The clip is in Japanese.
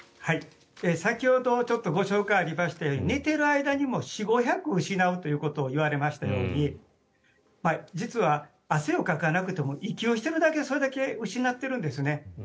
先ほどご紹介がありましたように寝ている間にも４００５００失うといわれましたように実は汗をかかなくても息をしているだけでそれだけ失ってるんですね。